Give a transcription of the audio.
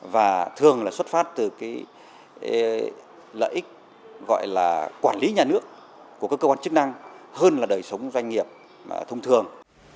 và thường là xuất phát từ lợi ích gọi là quản lý nhà nước của các cơ quan chức năng hơn là đời sống doanh nghiệp thông thường